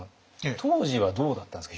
当時はどうだったんですか？